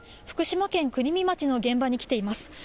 福島県国見町の現場に来ています。